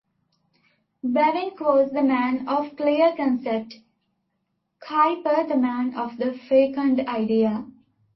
Bavinck was the man of clear concept, Kuyper the man of the fecund idea.